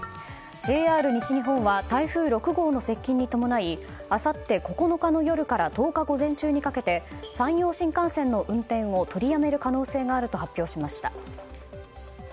ＪＲ西日本は台風６号の接近に伴いあさって９日の夜から１０日午前中にかけて山陽新幹線の運転を取りやめる可能性があると発表しました。